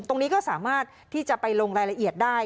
ตรงนี้ก็สามารถที่จะไปลงรายละเอียดได้